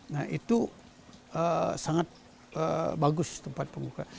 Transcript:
nah itu sangat bagus tempat pembuka